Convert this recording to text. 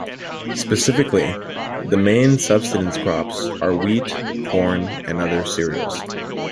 Specifically, the main subsistence crops are wheat, corn and other cereals.